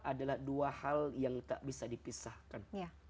adalah dua hal yang tak bisa dipisahkan